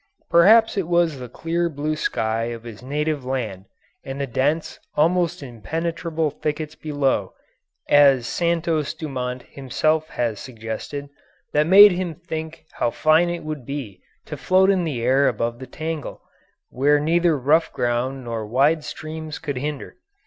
Perhaps it was the clear blue sky of his native land, and the dense, almost impenetrable thickets below, as Santos Dumont himself has suggested, that made him think how fine it would be to float in the air above the tangle, where neither rough ground nor wide streams could hinder.